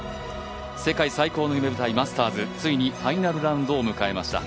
世界最高の夢舞台マスターズついにファイナルラウンドを迎えました。